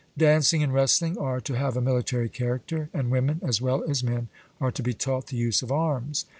Dancing and wrestling are to have a military character, and women as well as men are to be taught the use of arms.